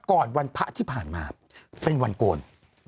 วันพระที่ผ่านมาเป็นวันโกน